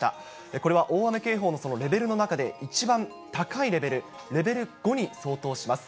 これは大雨警報のレベルの中で、一番高いレベル、レベル５に相当します。